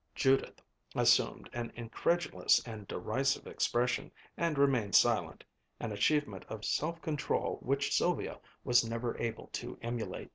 Judith assumed an incredulous and derisive expression and remained silent, an achievement of self control which Sylvia was never able to emulate.